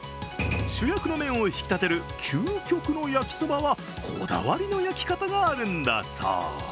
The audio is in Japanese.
主役の麺を引き立てる究極の焼きそばは、こだわりの焼き方があるんだそう。